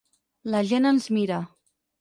La gent ens mira.